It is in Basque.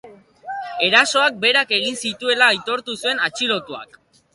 Erasoak berak egin zituela aitortu zuen atxilotuak.